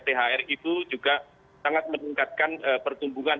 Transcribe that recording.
thr itu juga sangat meningkatkan pertumbuhan